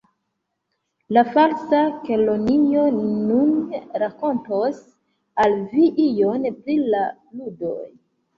"La Falsa Kelonio nun rakontos al vi ion pri la ludoj."